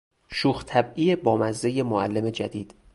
شوخ طبعی بامزهی معلم جدید